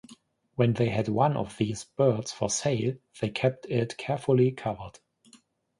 When they had one of these birds for sale they kept it carefully covered.